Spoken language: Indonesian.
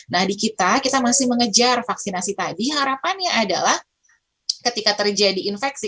nah di kita kita masih mengejar vaksinasi tadi harapannya adalah ketika terjadi infeksi